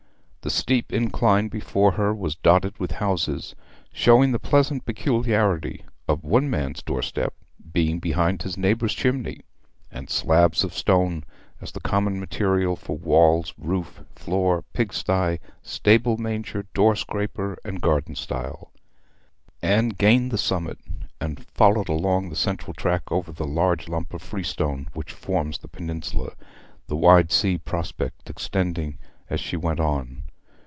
The steep incline before her was dotted with houses, showing the pleasant peculiarity of one man's doorstep being behind his neighbour's chimney, and slabs of stone as the common material for walls, roof, floor, pig sty, stable manger, door scraper, and garden stile. Anne gained the summit, and followed along the central track over the huge lump of freestone which forms the peninsula, the wide sea prospect extending as she went on.